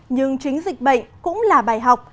nhưng chính dịch bệnh cũng là bài học